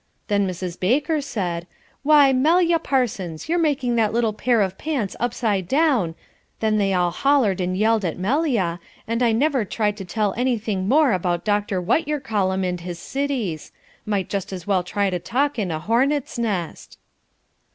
Then Mrs. Baker said, 'Why, Melia Parsons, you're making that little pair of pants upside down, then they all hollered and yelled at Melia, and I never tried to tell anything more about Dr. What yer call him and his cities; might just as well try to talk in a hornets' nest."